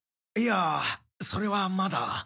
いやそれはまだ。